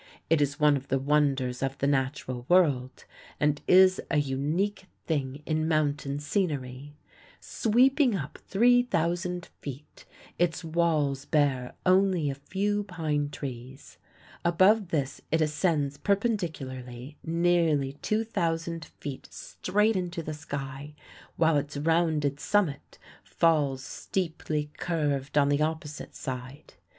It is one of the wonders of the natural world, and is a unique thing in mountain scenery. Sweeping up 3,000 feet, its walls bear only a few pine trees. Above this it ascends perpendicularly nearly 2,000 feet straight into the sky, while its rounded summit falls steeply curved on the opposite side.